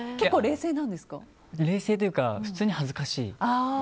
冷静というか普通に恥ずかしい。